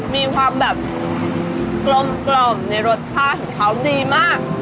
มีความแบบกลมในรสชาติของเขาดีมาก